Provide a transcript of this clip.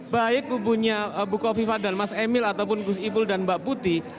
baik hubungnya bu kofifa dan mas emil ataupun gus ibu dan mbak putih